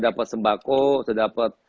dapat sembako sudah dapat